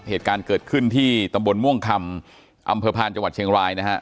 เหตุการณ์เกิดขึ้นที่ตำบลม่วงคำอำเภอพานจังหวัดเชียงรายนะฮะ